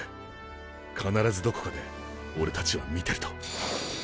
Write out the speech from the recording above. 必ずどこかでオレたちは見てると。